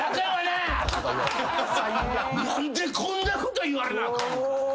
何でこんなこと言われなあかん。